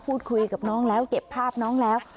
พูดคุยกับน้องแล้วเก็บภาพน้องแล้ว